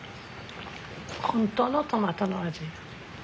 本当のトマトの味。